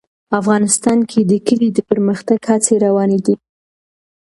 افغانستان کې د کلي د پرمختګ هڅې روانې دي.